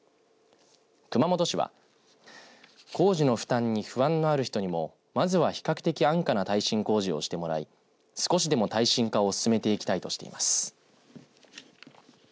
熊本市は工事の負担に不安のある人にもまずは比較的安価な耐震工事をしてもらい少しでも耐震化を進めていきたいとしています。